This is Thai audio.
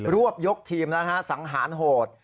รวบยกทีมนะฮะสังหารโหด